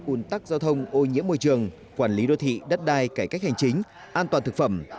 ủn tắc giao thông ô nhiễm môi trường quản lý đô thị đất đai cải cách hành chính an toàn thực phẩm